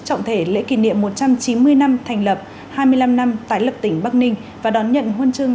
trọng thể lễ kỷ niệm một trăm chín mươi năm thành lập hai mươi năm năm tái lập tỉnh bắc ninh và đón nhận huân chương